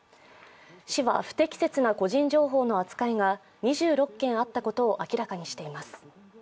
市は不適切な個人情報の扱いが２６件あったことを明らかにしています。